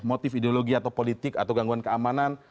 motif ideologi atau politik atau gangguan keamanan